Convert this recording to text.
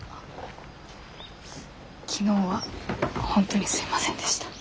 昨日は本当にすいませんでした。